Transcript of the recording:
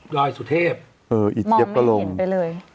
ลอยสุเทพเฮ้ออี๋เดี๋ยวกะลมไปเลย